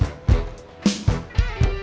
ya ini lagi serius